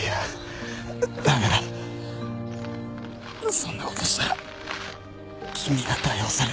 そんなことしたら君が逮捕される。